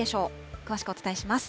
詳しくお伝えします。